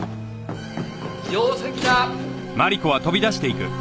定石だ！